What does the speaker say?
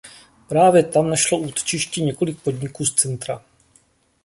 Právě tam našlo útočiště několik podniků z centra.